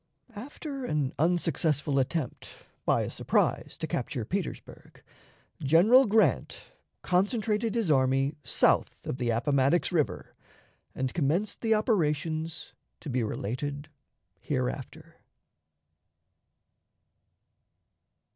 After an unsuccessful attempt, by a surprise, to capture Petersburg, General Grant concentrated his army south of the Appomattox River and commenced the operations to be related hereafter.